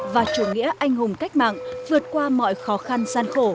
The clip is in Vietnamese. và chủ nghĩa anh hùng cách mạng vượt qua mọi khó khăn gian khổ